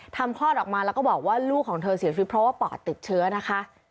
คลอดออกมาแล้วก็บอกว่าลูกของเธอเสียชีวิตเพราะว่าปอดติดเชื้อนะคะ